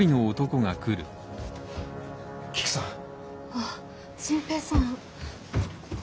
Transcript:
あっ心平さん。